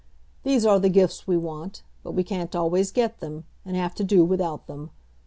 These are the gifts we want, but we can't always get them, and have to do without them.